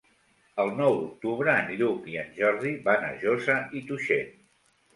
El nou d'octubre en Lluc i en Jordi van a Josa i Tuixén.